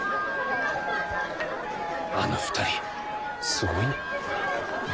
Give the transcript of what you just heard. あの２人すごいな。